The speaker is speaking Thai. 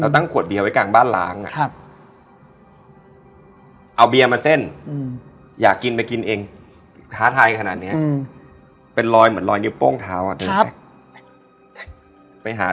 ที่บ้านมันสบายมากเลยนะ